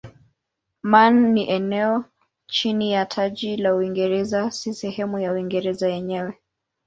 Man ni eneo chini ya taji la Uingereza si sehemu ya Uingereza yenyewe.